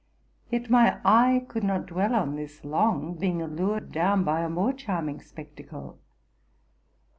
Yet my eye could not dwell on this long, being allured down by a more charming spectacle.